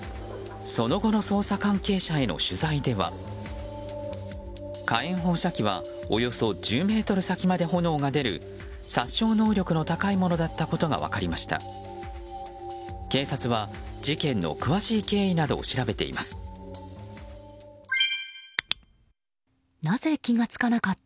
その後の捜査関係者への取材では火炎放射器はおよそ１０ｍ先まで炎が出る殺傷能力の高いものだったことが分かりました。